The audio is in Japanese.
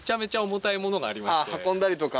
運んだりとか？